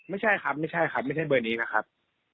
ไม่ใช่ครับไม่ใช่ครับไม่ใช่เบอร์นี้นะครับ